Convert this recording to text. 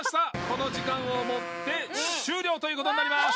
この時間をもって終了という事になります。